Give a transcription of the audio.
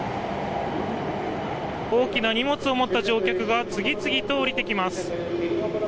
大きな荷物を持った乗客が次々と降りてきます。